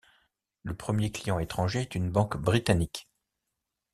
Le premier client étranger est une banque britannique.